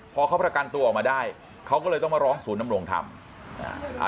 พอเขาประกันตัวออกมาได้เขาก็เลยต้องมาร้องศูนย์นำรงธรรม